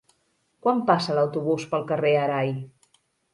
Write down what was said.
Quan passa l'autobús pel carrer Arai?